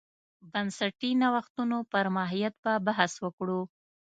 بنسټي نوښتونو پر ماهیت به بحث وکړو.